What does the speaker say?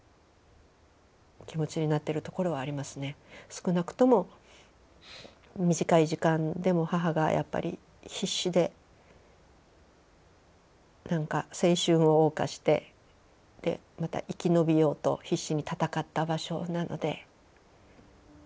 少なくとも短い時間でも母がやっぱり必死で何か青春を謳歌してまた生き延びようと必死に闘った場所なので。